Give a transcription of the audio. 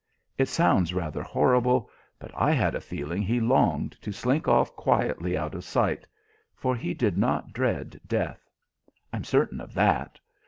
It sounds rather horrible, but I had a feeling he longed to slink off quietly out of sight for he did not dread death, I'm certain of that.